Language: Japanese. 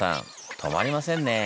止まりませんねぇ。